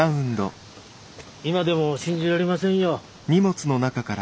今でも信じられませんよ。